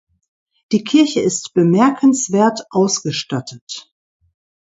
Die Kirche ist bemerkenswert ausgestattet.